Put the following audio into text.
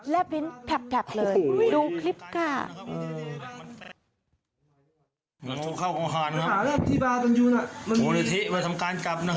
และบิ้นแผลบเลยดูคลิปค่ะ